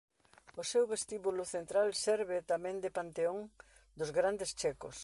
O seu vestíbulo central serve tamén de panteón dos grandes checos.